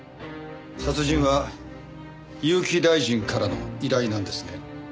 殺人は結城大臣からの依頼なんですね？